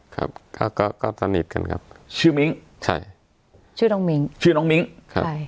ครับก็ก็สนิทกันครับชื่อมิ้งใช่ชื่อน้องมิ้งชื่อน้องมิ้งครับใช่